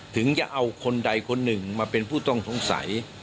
ถึงจะเอาคนใดคนหนึ่งมาเป็นผู้ต้องสงสัย